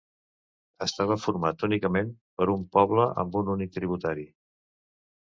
Estava format únicament per un poble amb un únic tributari.